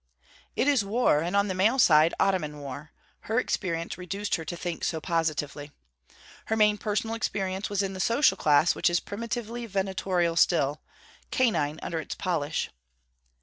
It is war, and on the male side, Ottoman war: her experience reduced her to think so positively. Her main personal experience was in the social class which is primitively venatorial still, canine under its polish.